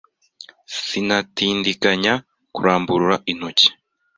Sinatindiganya kurambura intoki